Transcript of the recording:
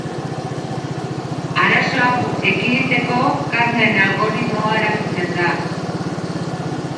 Arazo hau ekiditeko Karnen algoritmoa erabiltzen da.